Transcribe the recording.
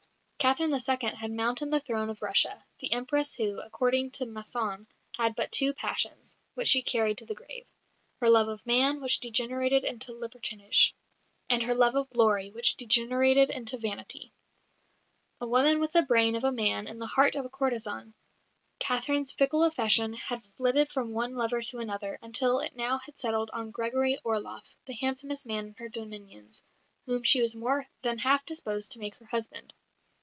Catherine II. had mounted the throne of Russia the Empress who, according to Masson, had but two passions, which she carried to the grave "her love of man, which degenerated into libertinage; and her love of glory, which degenerated into vanity." A woman with the brain of a man and the heart of a courtesan, Catherine's fickle affection had flitted from one lover to another, until now it had settled on Gregory Orloff, the handsomest man in her dominions, whom she was more than half disposed to make her husband.